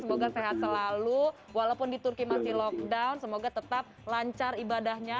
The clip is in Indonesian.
semoga sehat selalu walaupun di turki masih lockdown semoga tetap lancar ibadahnya